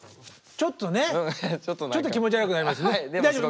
ちょっとねちょっと気持ち悪くなりますね。